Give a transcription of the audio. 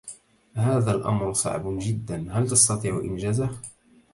هذا الأمر صعب جداً. هل تستطيع انجازه؟